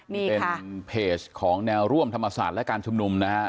นี่เป็นเพจของแนวร่วมธรรมศาสตร์และการชุมนุมนะฮะ